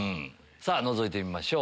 さぁのぞいてみましょう。